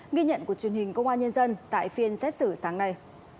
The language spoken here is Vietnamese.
nghi nhận của truyền hình công an nhân dân tại phiên xét xử sáng nay